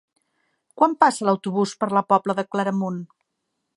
Quan passa l'autobús per la Pobla de Claramunt?